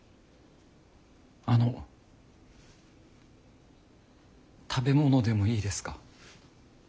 あの食べ物でもいいですか？